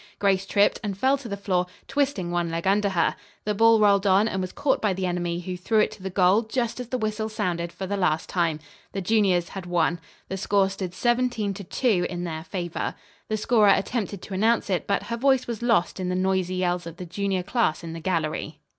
Grace tripped and fell to the floor, twisting one leg under her. The ball rolled on, and was caught by the enemy, who threw it to goal just as the whistle sounded for the last time. The juniors had won. The score stood 17 to 2 in their favor. The scorer attempted to announce it, but her voice was lost in the noisy yells of the junior class in the gallery.